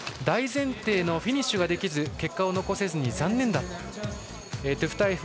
大前提のフィニッシュができず結果を残せずに残念だった。